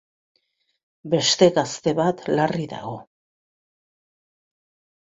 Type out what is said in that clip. Beste gazte bat larri dago.